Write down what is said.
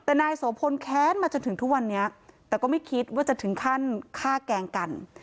แต่นายโสพลแค้นมาจนถึงทุกวันนี้แต่ก็ไม่คิดว่าจะถึงขั้นฆ่าแกล้งกัน